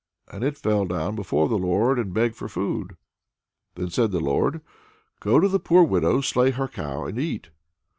And it fell down before the Lord, and begged for food. Then said the Lord, "Go to the poor widow's; slay her cow, and eat."